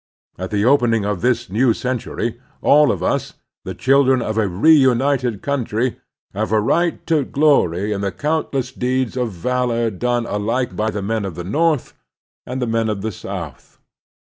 At the opening of this new century, all of us, the children of a reunited country, have a right to glory in the countless deeds of valor done alike by the men of the North and the men of the South.